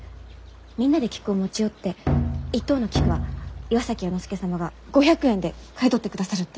みんなで菊を持ち寄って一等の菊は岩崎弥之助様が５００円で買い取ってくださるって。